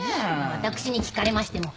私に聞かれましても。